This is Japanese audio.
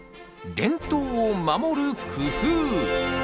伝統を守る工夫